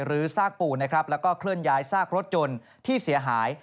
ลื้อซากปูนและเคลื่อนย้ายซากรถยนต์ที่เสียหาย